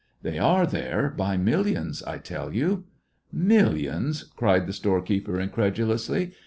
"They are there by millions, I tell you." "Millions !" cried the storekeeper, incredu lously.